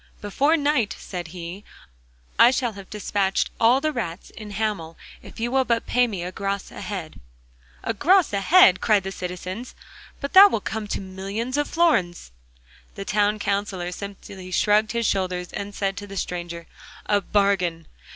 'Before night,' said he, 'I shall have despatched all the rats in Hamel if you will but pay me a gros a head.' 'A gros a head!' cried the citizens, 'but that will come to millions of florins!' The Town Counsellor simply shrugged his shoulders and said to the stranger: 'A bargain!